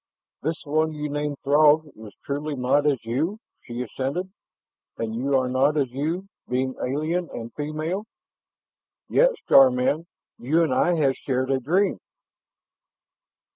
"This one you name Throg is truly not as you," she assented. "And we are not as you, being alien and female. Yet, star man, you and I have shared a dream."